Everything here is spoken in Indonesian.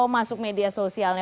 masuk media sosialnya